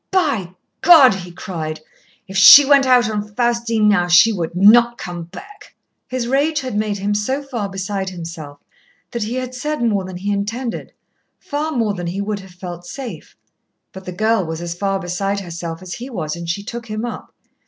"By God!" he cried, "if she went out on Faustine now, she would not come back!" His rage had made him so far beside himself that he had said more than he intended, far more than he would have felt safe. But the girl was as far beside herself as he was, and she took him up.